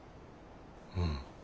うん。